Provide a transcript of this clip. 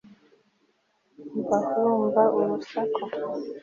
Umva urumva urusaku